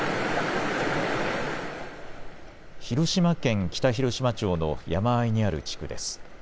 広島県北広島町の山あいにある地区です。